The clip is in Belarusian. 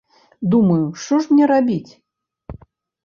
Думаю, што ж мне рабіць?